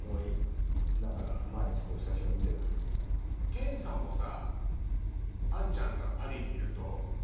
謙さんもさ。